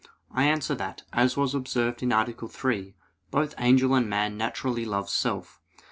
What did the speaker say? I answer that, As was observed (A. 3), both angel and man naturally love self.